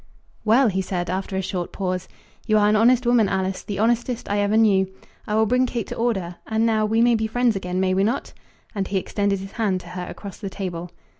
"Well," he said, after a short pause, "You are an honest woman, Alice, the honestest I ever knew. I will bring Kate to order, and, now, we may be friends again; may we not?" And he extended his hand to her across the table.